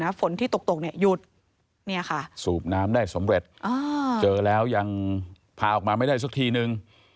ฝนที่ตกตกเนี่ยหยุดเนี่ยค่ะสูบน้ำได้สำเร็จเจอแล้วยังพาออกมาไม่ได้สักทีนึง